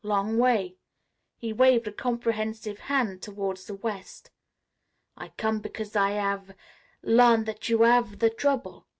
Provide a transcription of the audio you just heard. Long way," he waved a comprehensive hand toward the west. "I come because I hav' learn that you hav' the trouble."